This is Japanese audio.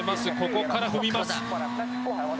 ここから踏みます。